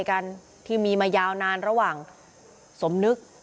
นานปืนบอกมันเอามายิงกู้อยู่